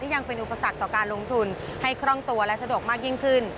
ยังเป็นอุปสรรคต่อการลงทุนให้คล่องตัวและสะดวกมากยิ่งขึ้น